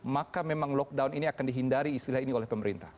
maka memang lockdown ini akan dihindari istilah ini oleh pemerintah